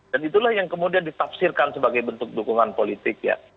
dan itulah yang kemudian ditafsirkan sebagai bentuk dukungan politik ya